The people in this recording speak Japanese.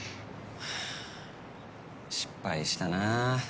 はぁ失敗したな。